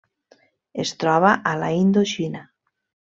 Es troba a la Indoxina.